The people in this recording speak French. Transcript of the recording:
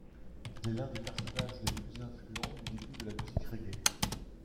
Il est l'un des personnages les plus influents du début de la musique reggae.